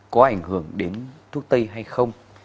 có ảnh hưởng đến thuốc tây hay không